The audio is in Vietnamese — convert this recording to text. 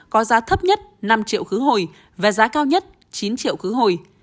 có giá thấp nhất năm triệu khứ hồi và giá cao nhất chín triệu khứ hồi